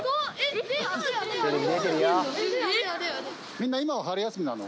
みんな今は春休みなの？